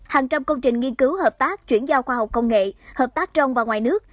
hàng trăm công trình nghiên cứu hợp tác chuyển giao khoa học công nghệ hợp tác trong và ngoài nước